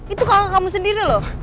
itu kalau kamu sendiri loh